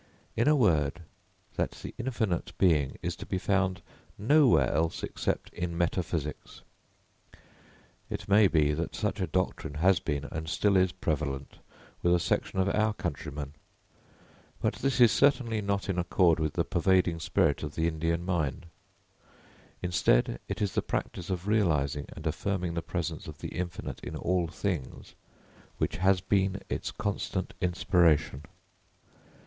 In a word, that the Infinite Being is to be found nowhere except in metaphysics. It may be, that such a doctrine has been and still is prevalent with a section of our countrymen. But this is certainly not in accord with the pervading spirit of the Indian mind. Instead, it is the practice of realising and affirming the presence of the infinite in all things which has been its constant inspiration.